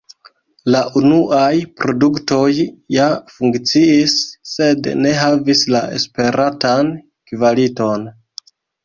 La unuaj produktoj ja funkciis, sed ne havis la esperatan kvaliton.